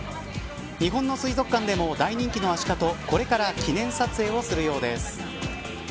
日本の水族館でも大人気のアシカと、これから記念撮影をするようです。